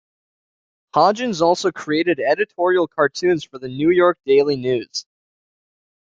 Hodgins also created editorial cartoons for the New York Daily News.